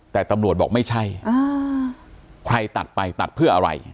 แต่ตำรวจบอกไม่ใช่ใครตัดไปตัดเพื่ออะไร